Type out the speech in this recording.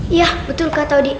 iya betul kak odi